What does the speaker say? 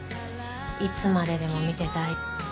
いつまででも見てたい。